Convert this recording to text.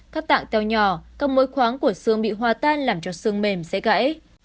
các tạng teo nhỏ các mối khoáng của xương bị hoa tan làm cho xương mềm dễ gãy